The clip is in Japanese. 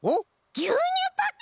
ぎゅうにゅうパック！